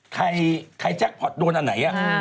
ใครแจ็คพอร์ตโดนอันไหน